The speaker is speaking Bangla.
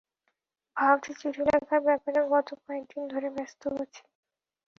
ভারতের চিঠি লেখার ব্যাপারে গত কয়েকদিন ধরে ব্যস্ত আছি।